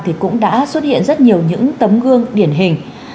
thì cũng đã xuất hiện rất nhiều những tấm gương điển hình